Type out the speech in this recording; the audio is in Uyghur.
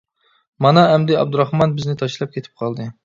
مانا ئەمدى ئابدۇراخمان بىزنى تاشلاپ كېتىپ قالدى.